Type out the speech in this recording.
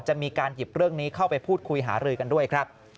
จะมีการหยิบเรื่องนี้เข้าไปพูดคุยหารือกันด้วยครับ